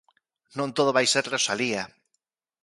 Non todo vai ser Rosalía.